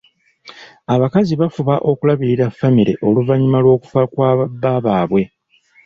Abakazi bafuba okulabirira famire oluvanyuma lw'okufa kwa ba bba baabwe.